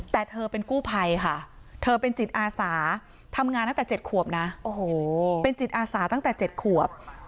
แต่เธอเป็นกู้ภัยค่ะเธอเป็นจิตอาสาห์ทำงานตั้งแต่๗ขวบนะ